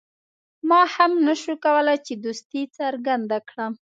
ما هم نه شو کولای چې دوستي څرګنده کړم.